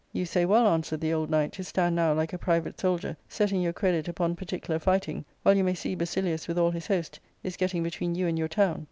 "You say well," answered the old ''knight, "to stand now, like a private soldier, setting your credit upon particular fighting, while you may see Basilius, with all his host, is getting between you and your town.